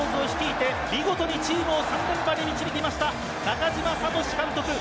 オリックス・バファローズを率いて見事にチームを３連覇に導きました、中嶋聡監督。